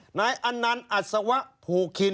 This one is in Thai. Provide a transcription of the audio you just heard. ชีวิตกระมวลวิสิทธิ์สุภาณฑ์